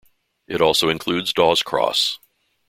It also includes Daw's Cross.